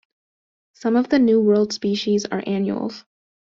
Some of the New World species are annuals.